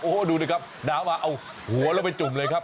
โอ้โหดูนะครับหนาวมาเอาหัวเราไปจุ่มเลยครับ